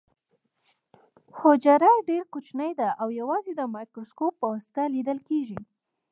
حجره ډیره کوچنۍ ده او یوازې د مایکروسکوپ په مرسته لیدل کیږي